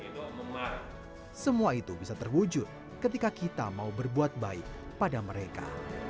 dan itu bisa terwujud ketika kita mau berbuat baik pada mereka